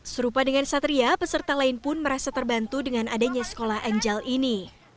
serupa dengan satria peserta lain pun merasa terbantu dengan adanya sekolah angel ini